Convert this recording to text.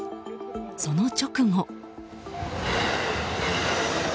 その直後。